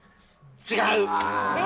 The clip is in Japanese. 違う。